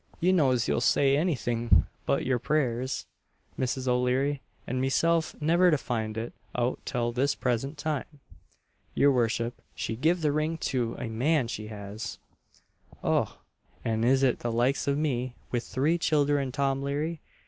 "You knows you'll say any thing but your prayers, Mrs. O'Leary, and meself never to find it out till this present time! Your worship, she gived the ring to a man she has!" "Och! an is it the likes of me, with three childer and Tom Leary!"